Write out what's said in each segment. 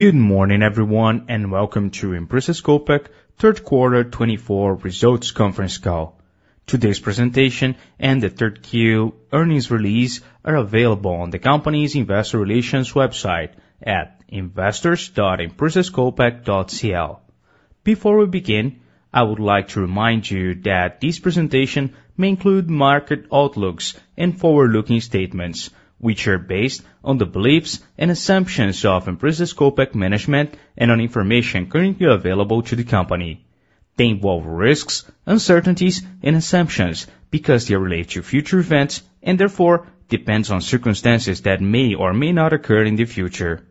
Good morning, everyone, and welcome to Empresas Copec Q3 2024 results conference call. Today's presentation and the third-quarter earnings release are available on the company's investor relations website at investors.empresascopec.cl. Before we begin, I would like to remind you that this presentation may include market outlooks and forward-looking statements, which are based on the beliefs and assumptions of Empresas Copec management and on information currently available to the company. They involve risks, uncertainties, and assumptions because they relate to future events and, therefore, depend on circumstances that may or may not occur in the future.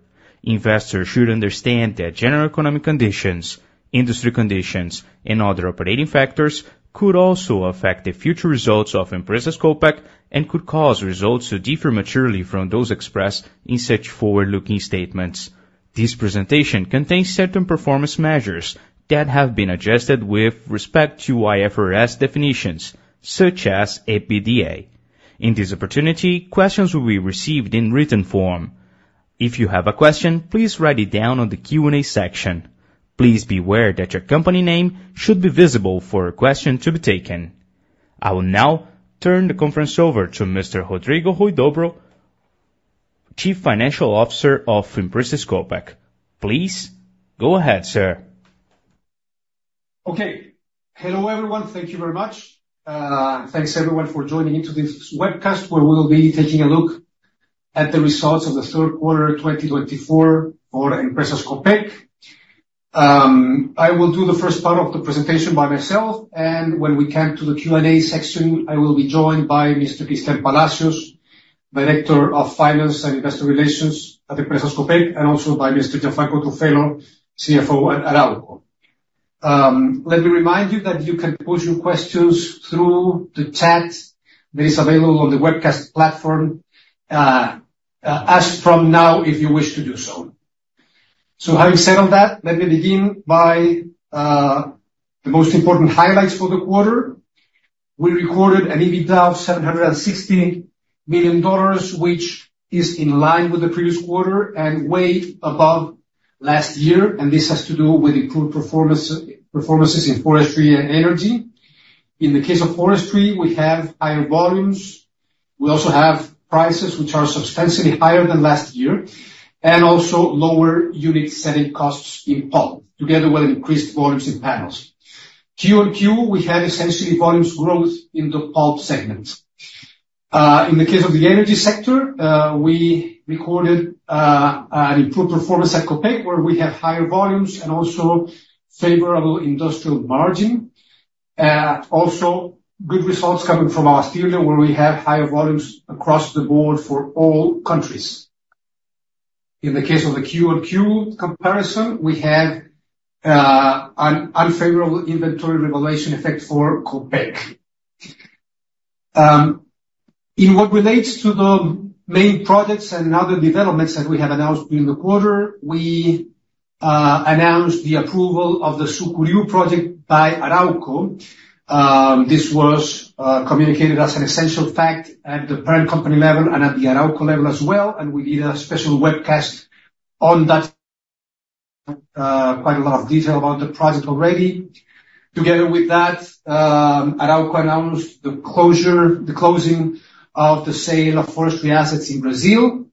Investors should understand that general economic conditions, industry conditions, and other operating factors could also affect the future results of Empresas Copec and could cause results to differ materially from those expressed in such forward-looking statements. This presentation contains certain performance measures that have been adjusted with respect to IFRS definitions, such as EBITDA. In this opportunity, questions will be received in written form. If you have a question, please write it down on the Q&A section. Please be aware that your company name should be visible for a question to be taken. I will now turn the conference over to Mr. Rodrigo Huidobro, Chief Financial Officer of Empresas Copec. Please go ahead, sir. Okay. Hello, everyone. Thank you very much. Thanks, everyone, for joining into this webcast where we will be taking a look at the results of the third quarter 2024 for Empresas Copec. I will do the first part of the presentation by myself, and when we come to the Q&A section, I will be joined by Mr. Cristián Palacios, Director of Finance and Investor Relations at Empresas Copec, and also by Mr. Gianfranco Truffello, CFO at Arauco. Let me remind you that you can post your questions through the chat that is available on the webcast platform, ask from now if you wish to do so. So, having said all that, let me begin by the most important highlights for the quarter. We recorded an EBITDA of $760 million, which is in line with the previous quarter and way above last year, and this has to do with improved performances in forestry and energy. In the case of forestry, we have higher volumes. We also have prices which are substantially higher than last year and also lower unit-selling costs in pulp, together with increased volumes in panels. Q-on-Q, we have essentially volumes growth in the pulp segment. In the case of the energy sector, we recorded an improved performance at Copec, where we have higher volumes and also favorable industrial margin. Also, good results coming from Abastible, where we have higher volumes across the board for all countries. In the case of the Q-on-Q comparison, we have an unfavorable inventory valuation effect for Copec. In what relates to the main projects and other developments that we have announced during the quarter, we announced the approval of the Sucuriú project by Arauco. This was communicated as an essential fact at the parent company level and at the Arauco level as well, and we did a special webcast on that, quite a lot of detail about the project already. Together with that, Arauco announced the closing of the sale of forestry assets in Brazil.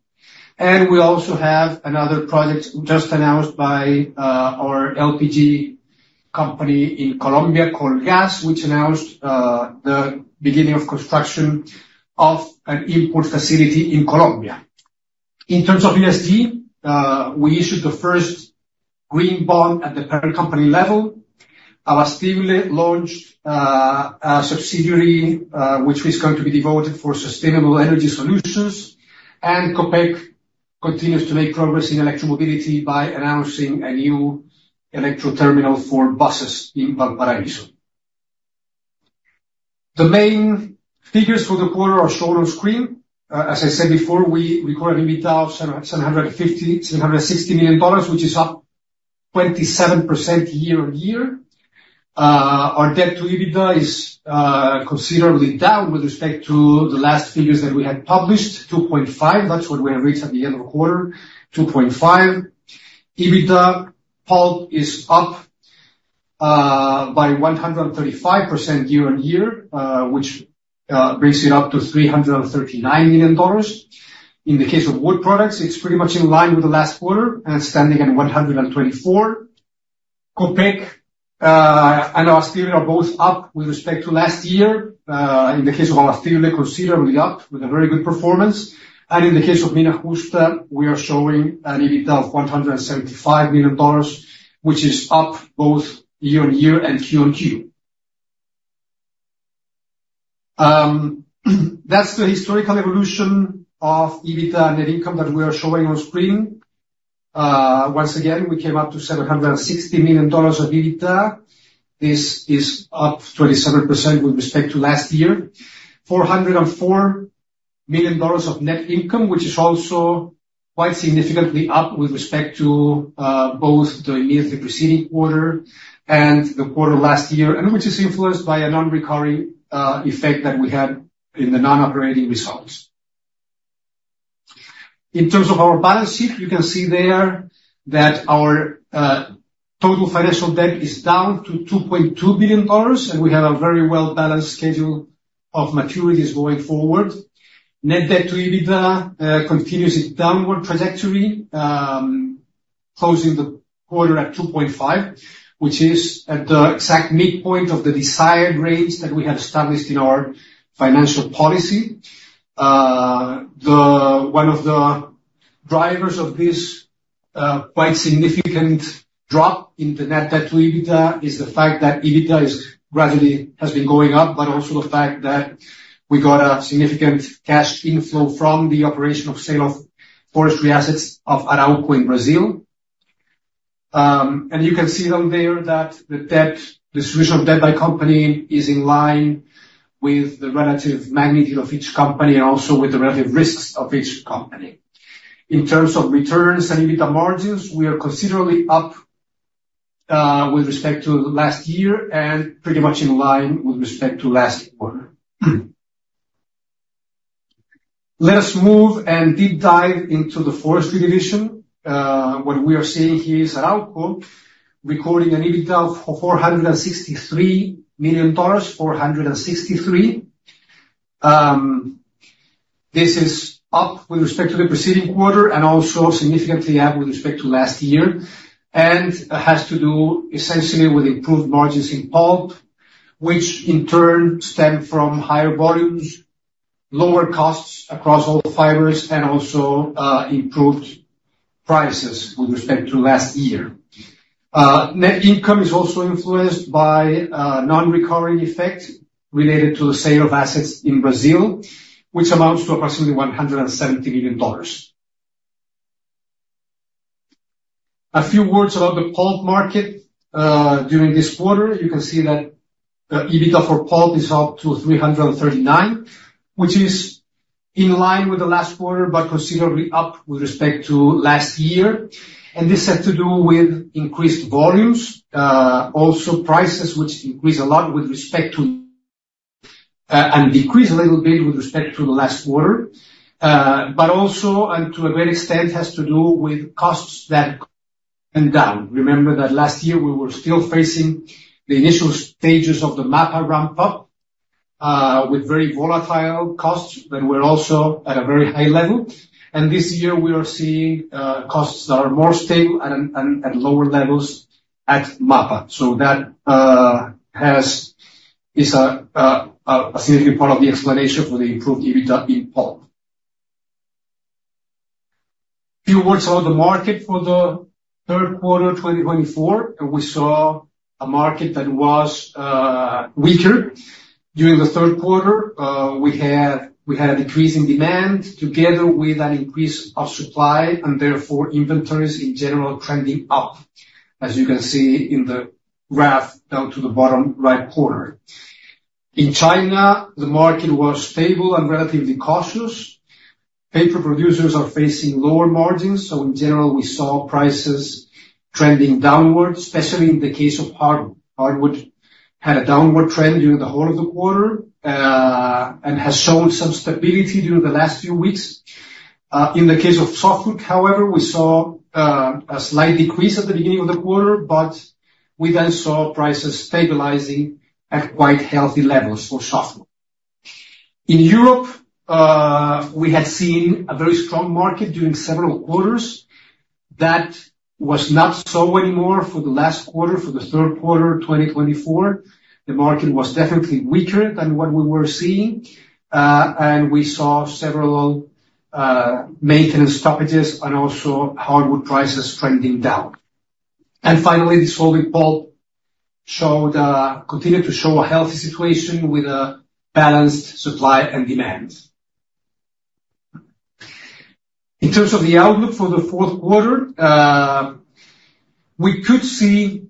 And we also have another project just announced by our LPG company in Colombia called Colgas, which announced the beginning of construction of an import facility in Colombia. In terms of ESG, we issued the first green bond at the parent company level. Abastible launched a subsidiary, which is going to be devoted to sustainable energy solutions, and Copec continues to make progress in electromobility by announcing a new electric terminal for buses in Valparaíso. The main figures for the quarter are shown on screen. As I said before, we recorded an EBITDA of $760 million, which is up 27% year-on-year. Our debt to EBITDA is considerably down with respect to the last figures that we had published, $2.5 million. That's what we had reached at the end of the quarter, $2.5 million. EBITDA pulp is up by 135% year on year, which brings it up to $339 million. In the case of wood products, it's pretty much in line with the last quarter and standing at $124 million. Copec and Abastible are both up with respect to last year. In the case of Abastible, considerably up with a very good performance. In the case of Mina Justa, we are showing an EBITDA of $175 million, which is up both year on year and Q on Q. That's the historical evolution of EBITDA net income that we are showing on screen. Once again, we came up to $760 million of EBITDA. This is up 27% with respect to last year, $404 million of net income, which is also quite significantly up with respect to both the immediately preceding quarter and the quarter last year, and which is influenced by a non-recurring effect that we had in the non-operating results. In terms of our balance sheet, you can see there that our total financial debt is down to $2.2 billion, and we have a very well-balanced schedule of maturities going forward. Net debt to EBITDA continues its downward trajectory, closing the quarter at $2.5 million, which is at the exact midpoint of the desired range that we have established in our financial policy. One of the drivers of this quite significant drop in the net debt to EBITDA is the fact that EBITDA has been going up, but also the fact that we got a significant cash inflow from the operation of sale of forestry assets of Arauco in Brazil, and you can see down there that the distribution of debt by company is in line with the relative magnitude of each company and also with the relative risks of each company. In terms of returns and EBITDA margins, we are considerably up with respect to last year and pretty much in line with respect to last quarter. Let us move and deep dive into the forestry division. What we are seeing here is Arauco recording an EBITDA of $463 million, $463 million. This is up with respect to the preceding quarter and also significantly up with respect to last year, and it has to do essentially with improved margins in pulp, which in turn stem from higher volumes, lower costs across all fibers, and also improved prices with respect to last year. Net income is also influenced by a non-recurring effect related to the sale of assets in Brazil, which amounts to approximately $170 million. A few words about the pulp market during this quarter. You can see that the EBITDA for pulp is up to $339 million, which is in line with the last quarter, but considerably up with respect to last year. This has to do with increased volumes, also prices, which increased a lot with respect to and decreased a little bit with respect to the last quarter. Also, and to a great extent, has to do with costs that went down. Remember that last year we were still facing the initial stages of the MAPA ramp-up with very volatile costs, but we're also at a very high level. This year we are seeing costs that are more stable at lower levels at MAPA. That is a significant part of the explanation for the improved EBITDA in pulp. A few words about the market for the third quarter 2024. We saw a market that was weaker during the third quarter. We had a decrease in demand together with an increase of supply and therefore inventories in general trending up, as you can see in the graph down to the bottom right corner. In China, the market was stable and relatively cautious. Paper producers are facing lower margins. So in general, we saw prices trending downward, especially in the case of hardwood. Hardwood had a downward trend during the whole of the quarter and has shown some stability during the last few weeks. In the case of softwood, however, we saw a slight decrease at the beginning of the quarter, but we then saw prices stabilizing at quite healthy levels for softwood. In Europe, we had seen a very strong market during several quarters. That was not so anymore for the last quarter, for the third quarter 2024. The market was definitely weaker than what we were seeing. We saw several maintenance stoppages and also hardwood prices trending down. Finally, the softwood pulp continued to show a healthy situation with a balanced supply and demand. In terms of the outlook for the fourth quarter, we could see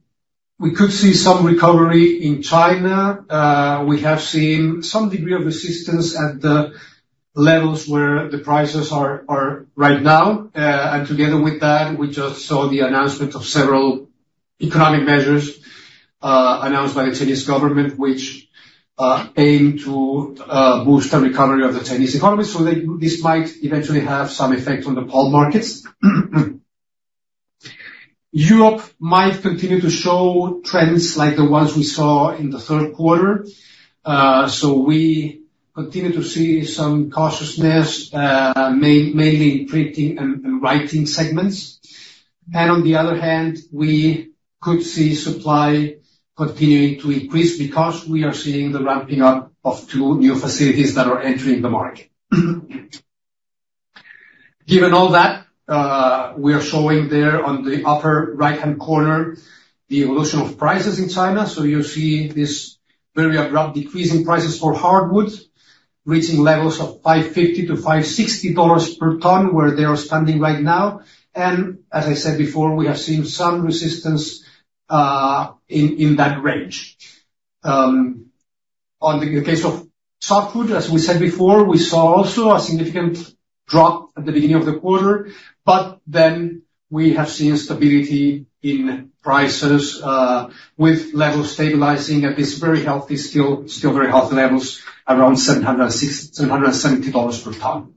some recovery in China. We have seen some degree of resistance at the levels where the prices are right now. Together with that, we just saw the announcement of several economic measures announced by the Chinese government, which aim to boost the recovery of the Chinese economy. This might eventually have some effect on the pulp markets. Europe might continue to show trends like the ones we saw in the third quarter. We continue to see some cautiousness, mainly in printing and writing segments. On the other hand, we could see supply continuing to increase because we are seeing the ramping up of two new facilities that are entering the market. Given all that, we are showing there on the upper right-hand corner the evolution of prices in China. So you'll see this very abrupt decrease in prices for hardwood, reaching levels of $550-$560 per ton where they are standing right now. And as I said before, we have seen some resistance in that range. In the case of softwood, as we said before, we saw also a significant drop at the beginning of the quarter, but then we have seen stability in prices with levels stabilizing at these very healthy, still very healthy levels around $770 per ton.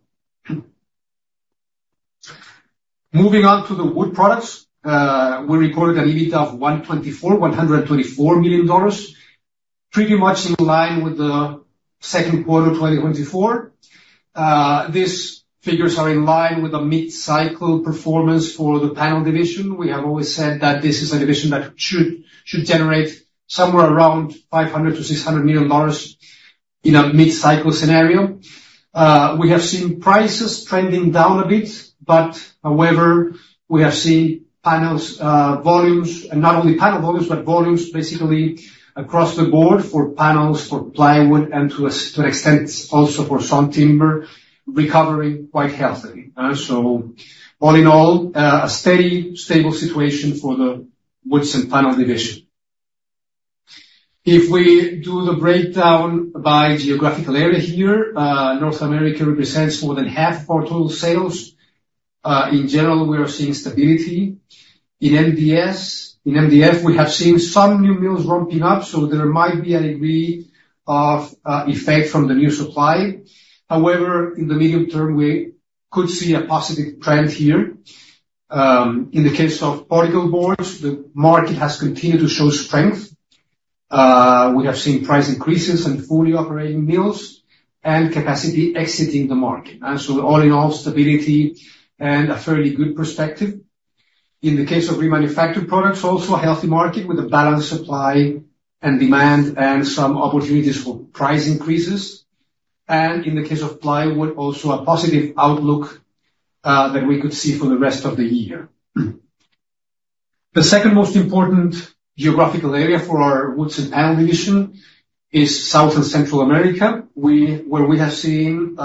Moving on to the wood products, we recorded an EBITDA of $124 million, pretty much in line with the second quarter 2024. These figures are in line with the mid-cycle performance for the panel division. We have always said that this is a division that should generate somewhere around $500 million-$600 million in a mid-cycle scenario. We have seen prices trending down a bit, but however, we have seen panels volumes, and not only panel volumes, but volumes basically across the board for panels, for plywood, and to an extent also for sawn timber, recovering quite healthily. So all in all, a steady, stable situation for the wood and panel division. If we do the breakdown by geographical area here, North America represents more than half of our total sales. In general, we are seeing stability. In MDF, we have seen some new mills ramping up, so there might be a degree of effect from the new supply. However, in the medium term, we could see a positive trend here. In the case of particle boards, the market has continued to show strength. We have seen price increases and fully operating mills and capacity exiting the market. So all in all, stability and a fairly good perspective. In the case of remanufactured products, also a healthy market with a balanced supply and demand and some opportunities for price increases, and in the case of plywood, also a positive outlook that we could see for the rest of the year. The second most important geographical area for our wood and panel division is South and Central America, where we have seen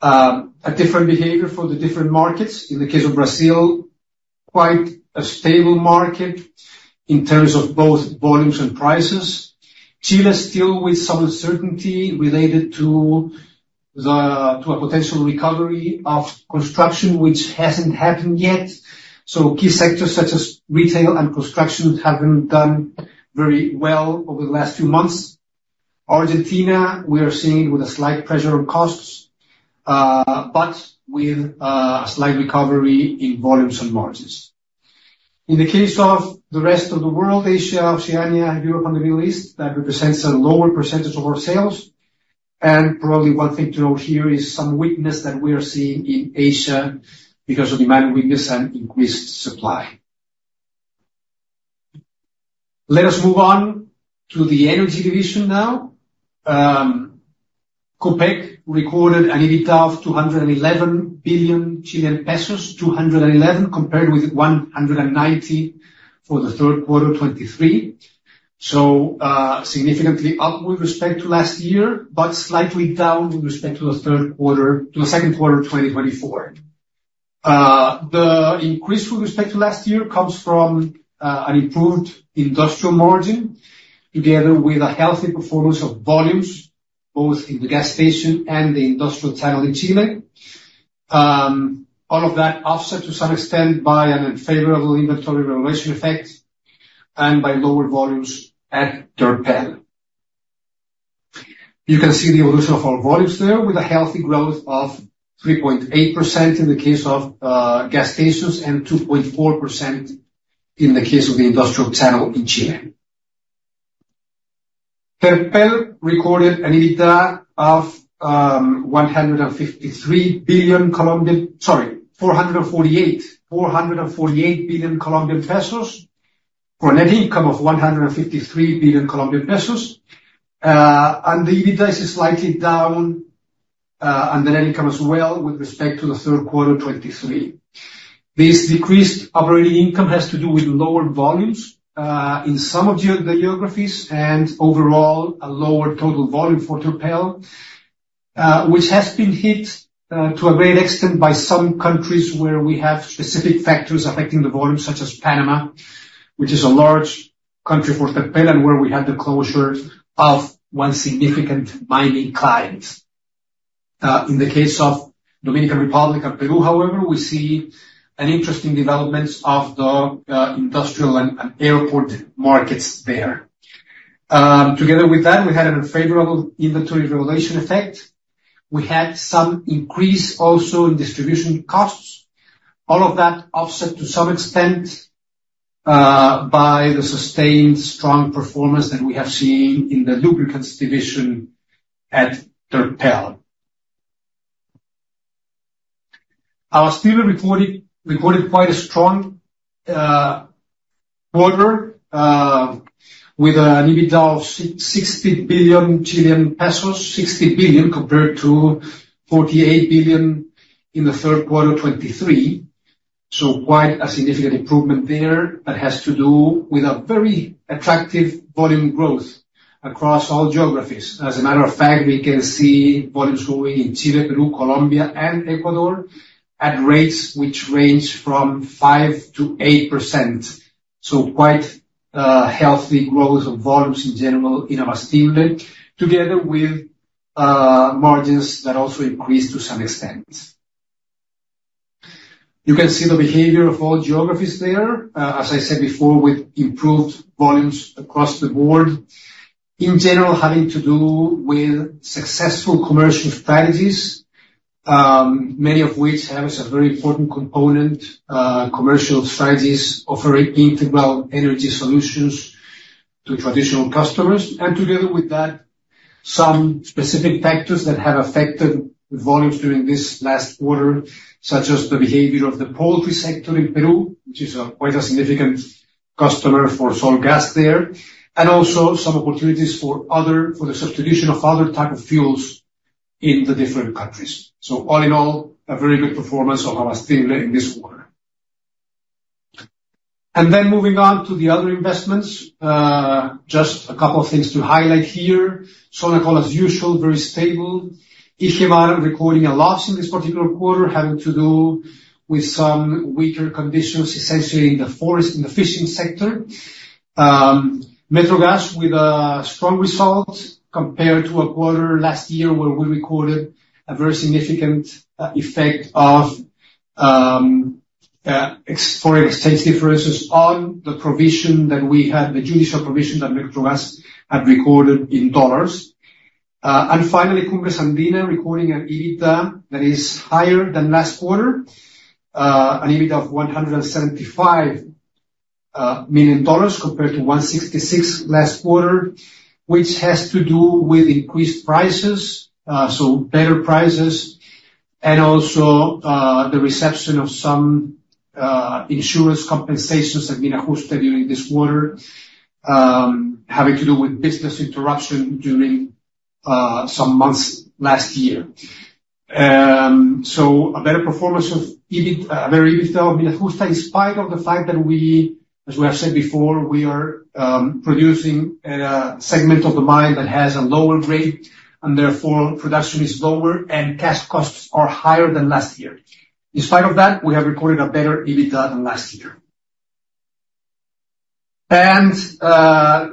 a different behavior for the different markets. In the case of Brazil, quite a stable market in terms of both volumes and prices. Chile is still with some uncertainty related to a potential recovery of construction, which hasn't happened yet. Key sectors such as retail and construction haven't done very well over the last few months. Argentina, we are seeing it with a slight pressure on costs, but with a slight recovery in volumes and margins. In the case of the rest of the world, Asia, Oceania, Europe, and the Middle East, that represents a lower percentage of our sales. And probably one thing to note here is some weakness that we are seeing in Asia because of demand weakness and increased supply. Let us move on to the energy division now. Copec recorded an EBITDA of 211 billion Chilean pesos, 211 billion compared with 190 billion for the third quarter 2023. So significantly up with respect to last year, but slightly down with respect to the second quarter 2024. The increase with respect to last year comes from an improved industrial margin together with a healthy performance of volumes, both in the gas station and the industrial channel in Chile. All of that offset to some extent by an unfavorable inventory revaluation effect and by lower volumes at Terpel. You can see the evolution of our volumes there with a healthy growth of 3.8% in the case of gas stations and 2.4% in the case of the industrial channel in Chile. Terpel recorded an EBITDA of COP 448 billion for a net income of COP 153 billion. And the EBITDA is slightly down on the net income as well with respect to the third quarter 2023. This decreased operating income has to do with lower volumes in some of the geographies and overall a lower total volume for Terpel, which has been hit to a great extent by some countries where we have specific factors affecting the volume, such as Panama, which is a large country for Terpel and where we had the closure of one significant mining client. In the case of Dominican Republic and Peru, however, we see an interesting development of the industrial and airport markets there. Together with that, we had an unfavorable inventory revaluation effect. We had some increase also in distribution costs. All of that offset to some extent by the sustained strong performance that we have seen in the lubricants division at Terpel. Abastible recorded quite a strong quarter with an EBITDA of 60 billion Chilean pesos, 60 billion compared to 48 billion in the third quarter 2023. So quite a significant improvement there that has to do with a very attractive volume growth across all geographies. As a matter of fact, we can see volumes growing in Chile, Peru, Colombia, and Ecuador at rates which range from 5%-8%. So quite a healthy growth of volumes in general in Abastible together with margins that also increased to some extent. You can see the behavior of all geographies there, as I said before, with improved volumes across the board. In general, having to do with successful commercial strategies, many of which have a very important component, commercial strategies offering integral energy solutions to traditional customers. Together with that, some specific factors that have affected volumes during this last quarter, such as the behavior of the poultry sector in Peru, which is quite a significant customer for Colgas there, and also some opportunities for the substitution of other types of fuels in the different countries. All in all, a very good performance of Abastible in this quarter. Moving on to the other investments, just a couple of things to highlight here. Sonacol, as usual, very stable. Igemar recording a loss in this particular quarter, having to do with some weaker conditions, essentially in the fishing sector. Metrogas with a strong result compared to a quarter last year where we recorded a very significant effect of foreign exchange differences on the provision that we had, the judicial provision that Metrogas had recorded in dollars. And finally, Cumbres Andina recording an EBITDA that is higher than last quarter, an EBITDA of $175 million compared to $166 million last quarter, which has to do with increased prices, so better prices, and also the reception of some insurance compensations at Mina Justa during this quarter, having to do with business interruption during some months last year. So a better performance of a better EBITDA of Mina Justa in spite of the fact that we, as we have said before, we are producing a segment of the mine that has a lower grade and therefore production is lower and cash costs are higher than last year. In spite of that, we have recorded a better EBITDA than last year. And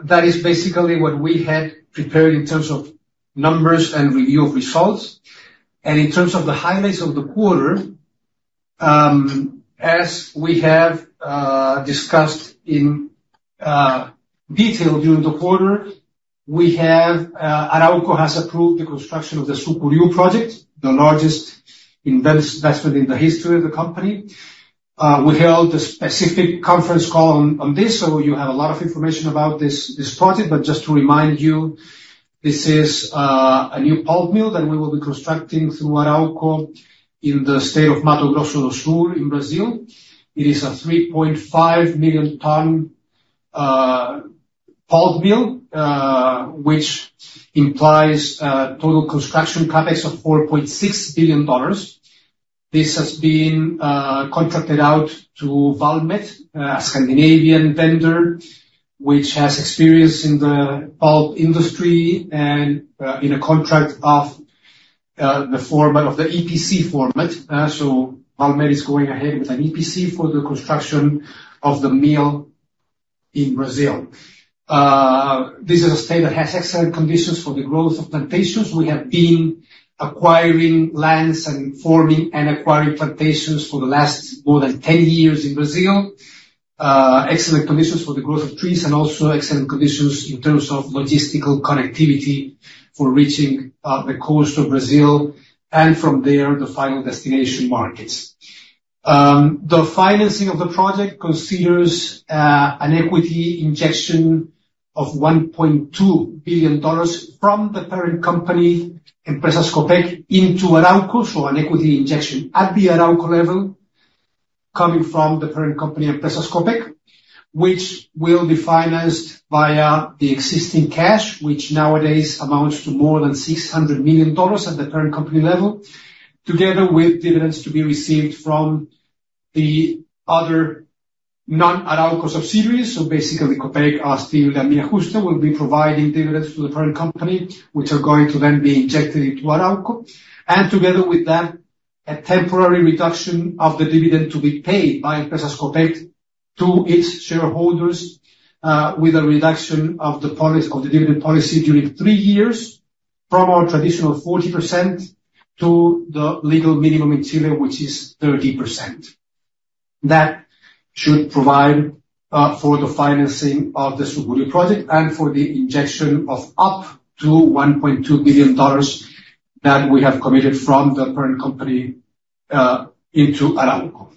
that is basically what we had prepared in terms of numbers and review of results. In terms of the highlights of the quarter, as we have discussed in detail during the quarter, Arauco has approved the construction of the Sucuriú project, the largest investment in the history of the company. We held a specific conference call on this, so you have a lot of information about this project. But just to remind you, this is a new pulp mill that we will be constructing through Arauco in the state of Mato Grosso do Sul in Brazil. It is a 3.5 million ton pulp mill, which implies a total construction CapEx of $4.6 billion. This has been contracted out to Valmet, a Scandinavian vendor, which has experience in the pulp industry and in a contract of the format of the EPC format. Valmet is going ahead with an EPC for the construction of the mill in Brazil. This is a state that has excellent conditions for the growth of plantations. We have been acquiring lands and forming and acquiring plantations for the last more than 10 years in Brazil. Excellent conditions for the growth of trees and also excellent conditions in terms of logistical connectivity for reaching the coast of Brazil and from there the final destination markets. The financing of the project considers an equity injection of $1.2 billion from the parent company, Empresas Copec, into Arauco, so an equity injection at the Arauco level coming from the parent company, Empresas Copec, which will be financed via the existing cash, which nowadays amounts to more than $600 million at the parent company level, together with dividends to be received from the other non-Arauco subsidiaries. So basically, Copec, Abastible, and Mina Justa will be providing dividends to the parent company, which are going to then be injected into Arauco. And together with that, a temporary reduction of the dividend to be paid by Empresas Copec to its shareholders with a reduction of the dividend policy during three years from our traditional 40% to the legal minimum in Chile, which is 30%. That should provide for the financing of the Sucuriú project and for the injection of up to $1.2 billion that we have committed from the parent company into Arauco.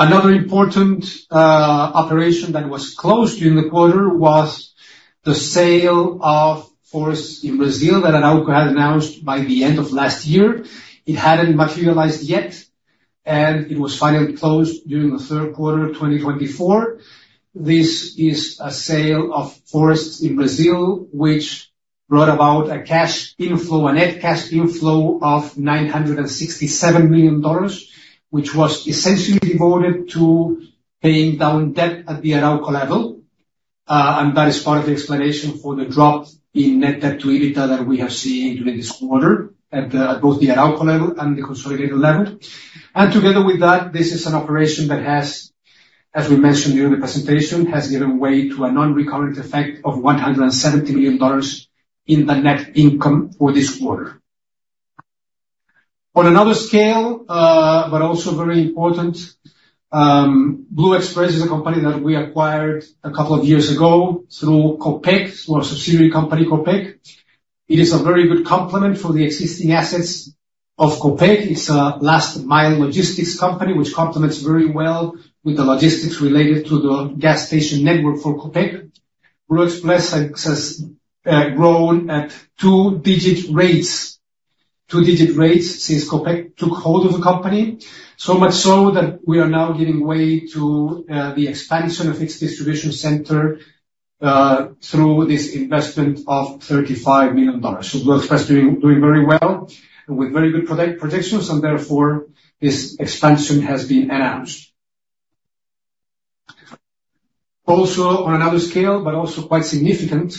Another important operation that was closed during the quarter was the sale of forests in Brazil that Arauco had announced by the end of last year. It hadn't materialized yet, and it was finally closed during the third quarter of 2024. This is a sale of forests in Brazil, which brought about a net cash inflow of $967 million, which was essentially devoted to paying down debt at the Arauco level. And that is part of the explanation for the drop in net debt to EBITDA that we have seen during this quarter at both the Arauco level and the consolidated level. And together with that, this is an operation that has, as we mentioned during the presentation, has given way to a non-recurrent effect of $170 million in the net income for this quarter. On another scale, but also very important, Blue Express is a company that we acquired a couple of years ago through Copec, our subsidiary company, Copec. It is a very good complement for the existing assets of Copec. It's a last-mile logistics company, which complements very well with the logistics related to the gas station network for Copec. Blue Express has grown at two-digit rates, two-digit rates since Copec took hold of the company. So much so that we are now giving way to the expansion of its distribution center through this investment of $35 million. So Blue Express is doing very well with very good projections, and therefore this expansion has been announced. Also, on another scale, but also quite significant,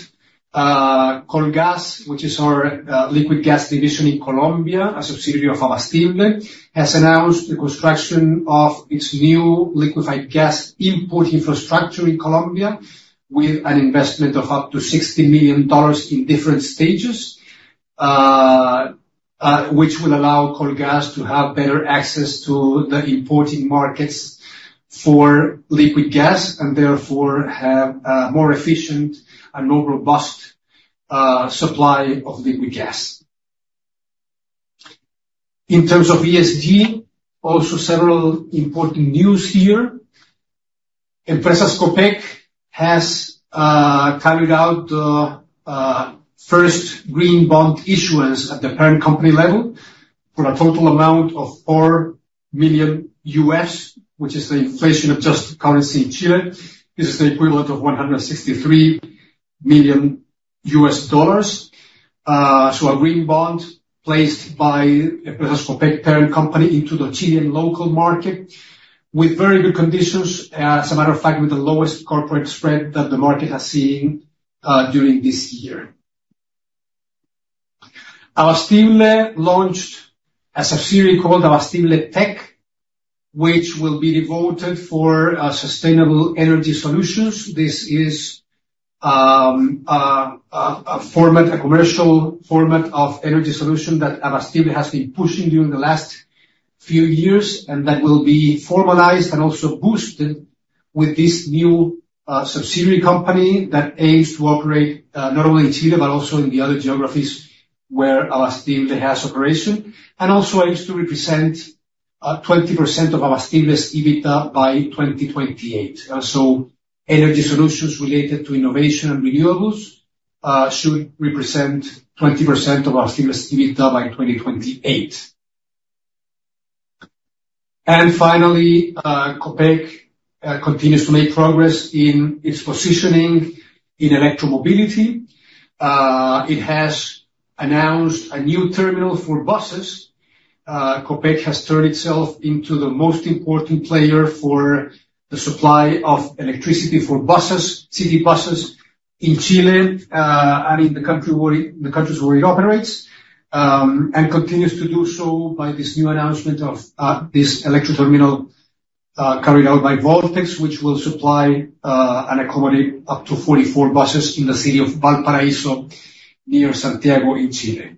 Colgas, which is our liquid gas division in Colombia, a subsidiary of Abastible, has announced the construction of its new liquefied gas import infrastructure in Colombia with an investment of up to $60 million in different stages, which will allow Colgas to have better access to the importing markets for liquid gas and therefore have a more efficient and more robust supply of liquid gas. In terms of ESG, also several important news here. Empresas Copec has carried out the first green bond issuance at the parent company level for a total amount of UF 4 million, which is the inflation-adjusted currency in Chile. This is the equivalent of $163 million. So a green bond placed by Empresas Copec parent company into the Chilean local market with very good conditions. As a matter of fact, with the lowest corporate spread that the market has seen during this year. Abastible launched a subsidiary called Abastible Tech, which will be devoted for sustainable energy solutions. This is a commercial format of energy solution that Abastible has been pushing during the last few years and that will be formalized and also boosted with this new subsidiary company that aims to operate not only in Chile but also in the other geographies where Abastible has operation and also aims to represent 20% of Abastible's EBITDA by 2028. So energy solutions related to innovation and renewables should represent 20% of Abastible's EBITDA by 2028. And finally, Copec continues to make progress in its positioning in electromobility. It has announced a new terminal for buses. Copec has turned itself into the most important player for the supply of electricity for buses, city buses in Chile and in the countries where it operates, and continues to do so by this new announcement of this electric terminal carried out by Voltex, which will supply and accommodate up to 44 buses in the city of Valparaíso near Santiago in Chile.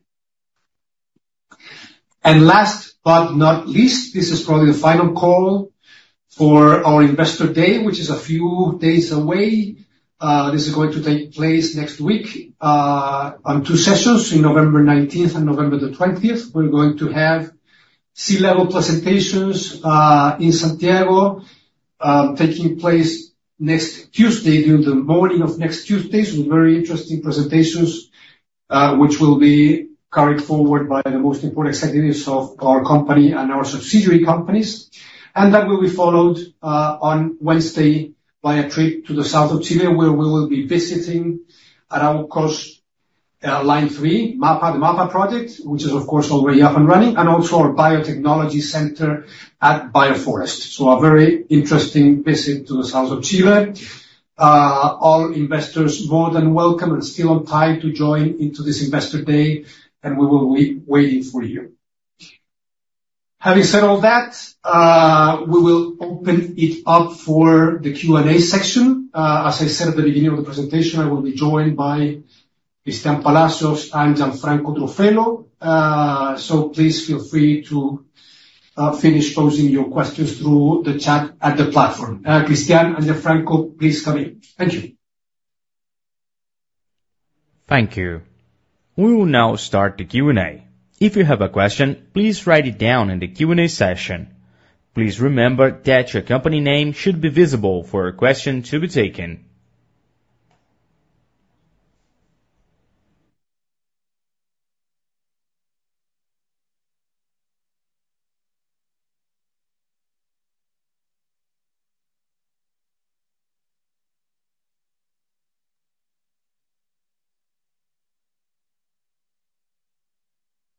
Last but not least, this is probably the final call for our Investor Day, which is a few days away. This is going to take place next week on two sessions in November 19th and November the 20th. We're going to have C-level presentations in Santiago taking place next Tuesday during the morning of next Tuesday. Very interesting presentations, which will be carried forward by the most important executives of our company and our subsidiary companies. That will be followed on Wednesday by a trip to the south of Chile where we will be visiting Arauco's Line 3, the MAPA project, which is, of course, already up and running, and also our biotechnology center at Bioforest. So a very interesting visit to the south of Chile. All investors are more than welcome and still on time to join into this Investor Day, and we will be waiting for you. Having said all that, we will open it up for the Q&A section. As I said at the beginning of the presentation, I will be joined by Cristián Palacios and Gianfranco Truffello. So please feel free to finish posing your questions through the chat at the platform. Cristian and Gianfranco, please come in. Thank you. Thank you. We will now start the Q&A. If you have a question, please write it down in the Q&A session. Please remember that your company name should be visible for a question to be taken.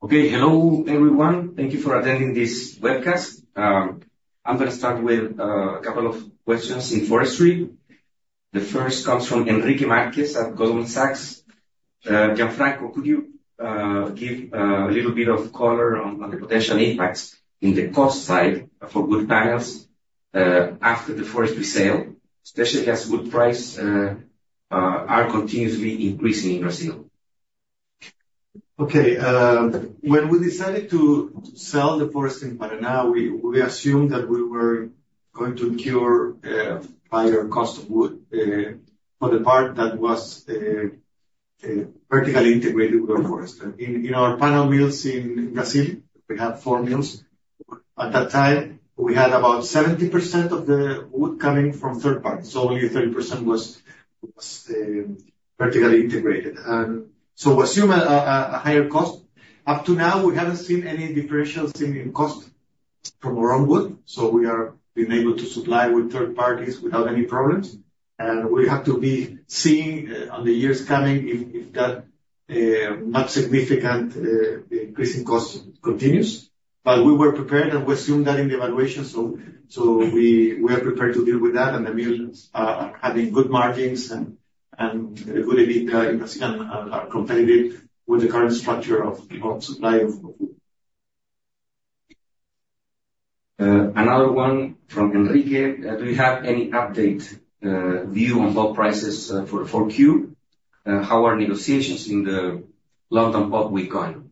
Okay. Hello, everyone. Thank you for attending this webcast. I'm going to start with a couple of questions in forestry. The first comes from Henrique Marques at Goldman Sachs. Gianfranco, could you give a little bit of color on the potential impacts in the cost side for wood panels after the forestry sale, especially as wood prices are continuously increasing in Brazil? Okay. When we decided to sell the forest in Paraná, we assumed that we were going to incur higher cost of wood for the part that was vertically integrated with our forest. In our panel mills in Brazil, we have four mills. At that time, we had about 70% of the wood coming from third parties. Only 30% was vertically integrated. And so we assumed a higher cost. Up to now, we haven't seen any differentials in cost from our own wood. So we have been able to supply with third parties without any problems. And we have to be seeing in the years coming if that much significant increase in cost continues. But we were prepared and we assumed that in the evaluation. So we are prepared to deal with that. And the mills are having good margins and good EBITDA in Brazil and are competitive with the current structure of supply of wood. Another one from Enrique. Do you have any update view on pulp prices for the 4Q? How are negotiations in the London Pulp Week going?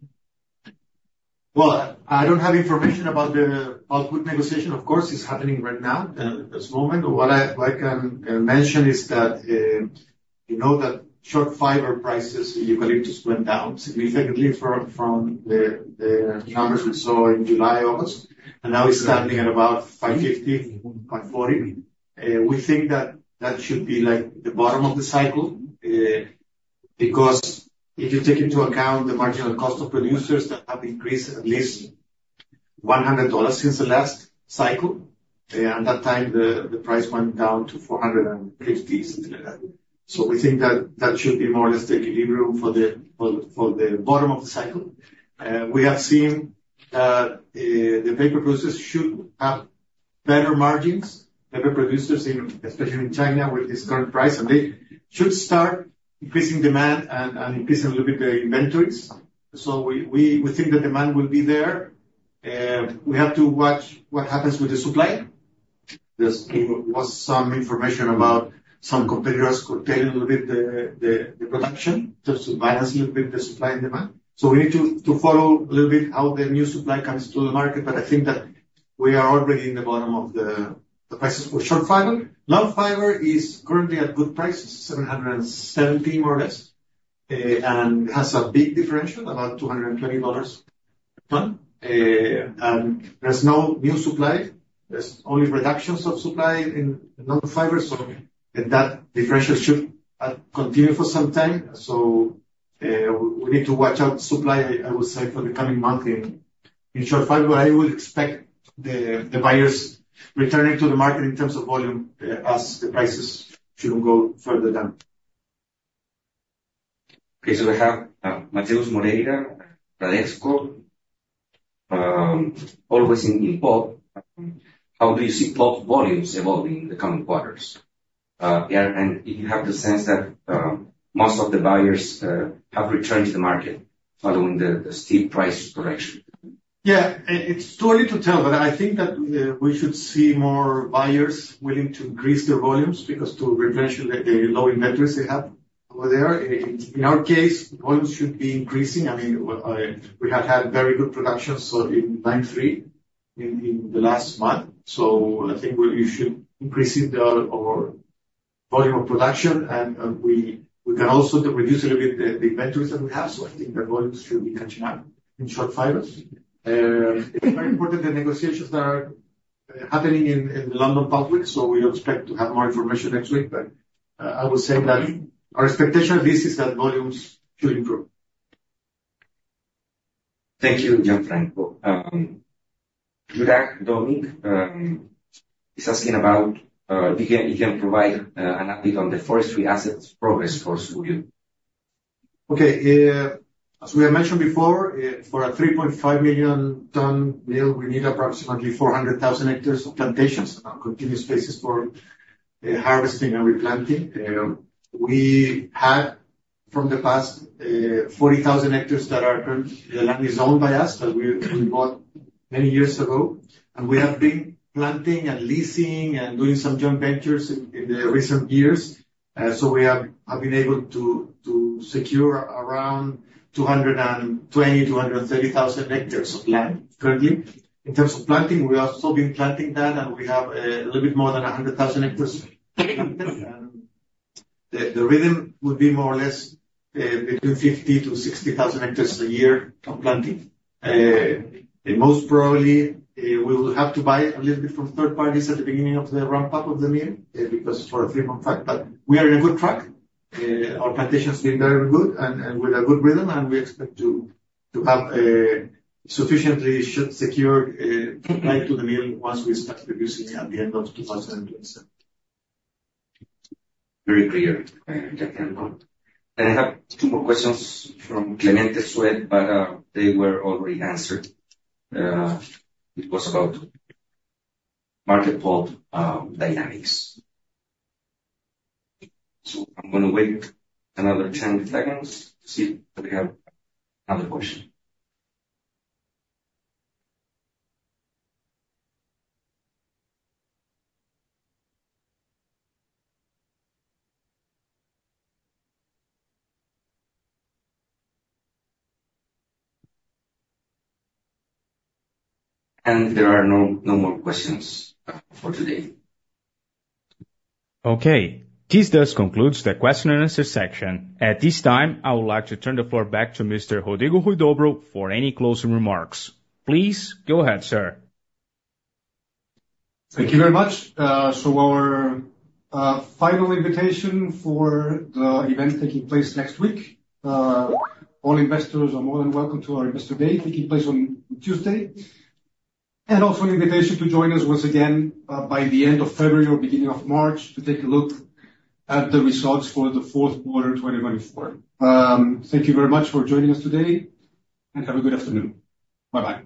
Well, I don't have information about the pulp wood negotiation. Of course, it's happening right now at this moment. What I can mention is that you know that short fiber prices in eucalyptus went down significantly from the numbers we saw in July and August. And now it's standing at about $550-$540. We think that that should be like the bottom of the cycle because if you take into account the marginal cost of producers that have increased at least $100 since the last cycle, at that time, the price went down to $450. So we think that that should be more or less the equilibrium for the bottom of the cycle. We have seen that the paper producers should have better margins, paper producers, especially in China with this current price. And they should start increasing demand and increasing a little bit their inventories. So we think the demand will be there. We have to watch what happens with the supply. Just gave us some information about some competitors who are telling a little bit the production in terms of balancing a little bit the supply and demand. We need to follow a little bit how the new supply comes to the market. I think that we are already in the bottom of the prices for short fiber. Long fiber is currently at good prices, $770 more or less, and has a big differential, about $220 per ton. There's no new supply. There's only reductions of supply in long fiber. That differential should continue for some time. We need to watch out supply, I would say, for the coming month in short fiber. I would expect the buyers returning to the market in terms of volume as the prices shouldn't go further down. Okay. We have Matheus Moreira, Bradesco. How do you see bulk volumes evolving in the coming quarters? And if you have the sense that most of the buyers have returned to the market following the steep price correction? Yeah. It's too early to tell, but I think that we should see more buyers willing to increase their volumes because to reduce the low inventories they have over there. In our case, volumes should be increasing. I mean, we have had very good production in Line 3 in the last month. So I think you should increase the volume of production. And we can also reduce a little bit the inventories that we have. So I think the volumes should be catching up in short fiber. It's very important the negotiations that are happening in the London Pulp Week. So we expect to have more information next week. I would say that our expectation at least is that volumes should improve. Thank you, Gianfranco. Juraj Domic is asking about if you can provide an update on the forestry assets progress for Sucuriú. Okay. As we have mentioned before, for a 3.5 million ton mill, we need approximately 400,000 hectares of plantations and continuous spaces for harvesting and replanting. We had from the past 40,000 hectares that are currently the land is owned by us that we bought many years ago. We have been planting and leasing and doing some joint ventures in the recent years. We have been able to secure around 220,000-230,000 hectares of land currently. In terms of planting, we are still being planting that. We have a little bit more than 100,000 hectares. The rhythm would be more or less between 50,000-60,000 hectares a year of planting. Most probably, we will have to buy a little bit from third parties at the beginning of the ramp-up of the mill because for a three-month track. But we are in a good track. Our plantations have been very good and with a good rhythm. And we expect to have sufficiently secured supply to the mill once we start producing at the end of 2027. Very clear. And I have two more questions from Clemente Suede. They were already answered. It was about market bulk dynamics. So I'm going to wait another 10 seconds to see if we have another question. And there are no more questions for today. Okay. This does conclude the question and answer section. At this time, I would like to turn the floor back to Mr. Rodrigo Huidobro for any closing remarks. Please go ahead, sir. Thank you very much. So, our final invitation for the event taking place next week. All investors are more than welcome to our Investor Day taking place on Tuesday. And also an invitation to join us once again by the end of February or beginning of March to take a look at the results for the fourth quarter 2024. Thank you very much for joining us today. And have a good afternoon. Bye-bye.